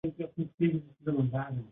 • Hadya otning og‘ziga qarama.